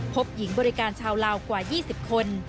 พบหญิงบริการชาวลาวกว่า๒๐คน